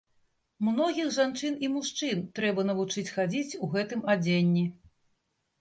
Многіх жанчын і мужчын трэба навучыць хадзіць у гэтым адзенні.